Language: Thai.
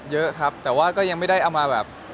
เยอะครับแต่ว่าก็ยังไม่ได้เอามาแบบ